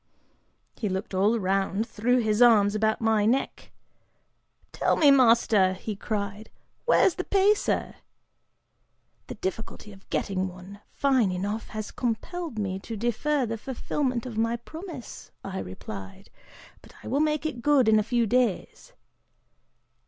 He looked all around, threw his arms about my neck. 'Tell me, master,' he cried, 'where's the pacer?' ['The difficulty of getting one fine enough has compelled me to defer the fulfillment of my promise,' I replied, 'but I will make it good in a few days.